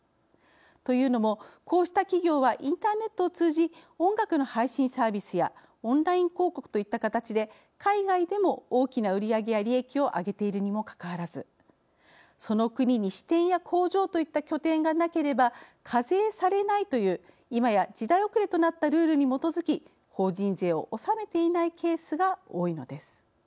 というのも、こうした企業はインターネットを通じ音楽の配信サービスやオンライン広告といった形で海外でも大きな売り上げや利益をあげているにもかかわらずその国に支店や工場といった拠点がなければ課税されないという、今や時代遅れとなったルールに基づき法人税を納めていないケースが多いのです。